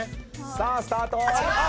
さあスタート！